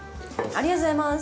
ありがとうございます。